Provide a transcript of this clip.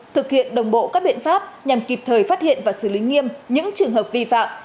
thực hiện đồng bộ các biện pháp nhằm kịp thời phát hiện và xử lý nghiêm những trường hợp vi phạm